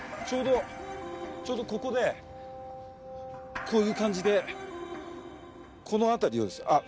ちょうどちょうどここでこういう感じでこの辺りをですね。